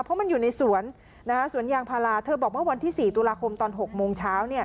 เพราะมันอยู่ในสวนสวนยางพาราเธอบอกว่าวันที่๔ตุลาคมตอน๖โมงเช้า